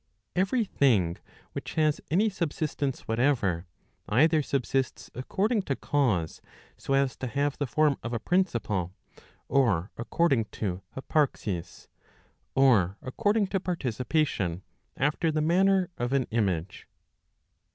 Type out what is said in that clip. Every thing which has any subsistence whatever, either subsists ac¬ cording to cause, so as to have the form of a principle, or according to hyparxis, or according to participation, after the manner of an image.